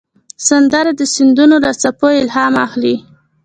سندره د سیندونو له څپو الهام اخلي